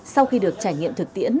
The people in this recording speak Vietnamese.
sau khi được trải nghiệm thực tiễn